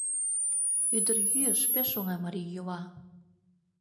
Ӱдырйӱыш — пеш оҥай марий йӱла.